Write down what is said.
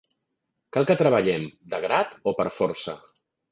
Cal que treballem, de grat o per força.